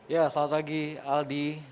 ya selamat pagi aldi